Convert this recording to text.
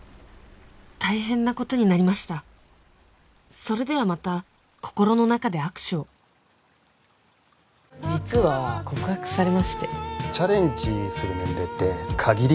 大変なことになりましたそれではまた心の中で握手をたぶん４人ぐらい。